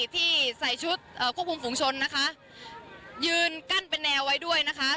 ที่ใส่ชุดควบคุมฝุงชนนะคะยืนกั้นเป็นแนวไว้ด้วยนะคะ